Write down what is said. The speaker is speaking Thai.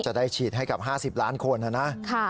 จะได้ฉีดให้กับ๕๐ล้านคนนะนะ